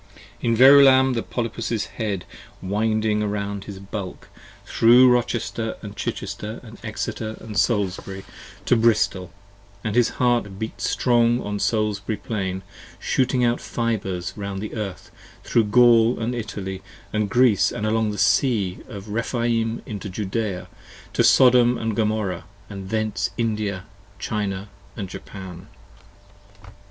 35 In Verulam the Polypus's Head, winding around his bulk 80 Thro' Rochester and Chichester & Exeter & Salisbury, To Bristol :& his Heart beat strong on Salisbury Plain, Shooting out Fibres round the Earth, thro' Gaul & Italy And Greece, & along the Sea of Rephaim into Judea 40 To Sodom & Gomorrha: thence to India, China & Japan.